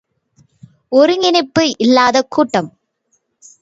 ஒருங்கிணைப்பு இல்லாத கூட்டம்!